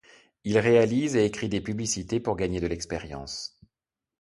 Il réalise et écrit des publicités pour gagner de l'expérience.